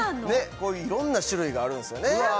こういういろんな種類があるんすよね